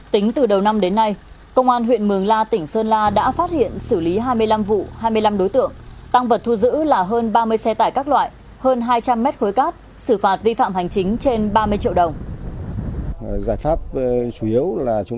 tính từ đầu năm đến nay công an huyện mường la tỉnh sơn la đã phát hiện xử lý hai mươi năm vụ hai mươi năm đối tượng tăng vật thu giữ là hơn ba mươi xe tải các loại hơn hai trăm linh mét khối cát xử phạt vi phạm hành chính trên ba mươi triệu đồng